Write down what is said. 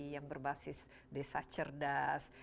yang berbasis desa cerdas